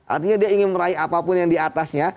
artinya dia ingin meraih apapun yang diatasnya